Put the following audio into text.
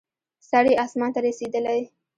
سر یې اسمان ته رسېدلی.